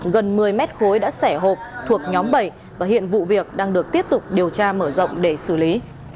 gần một mươi mét khối đã sẻ hộp thuộc nhóm bảy và hiện vụ việc đang được tiếp tục điều tra mở rộng để xử lý